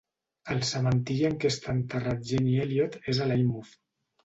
El cementiri en què està enterrat Jenny Elliot és a Lynemouth.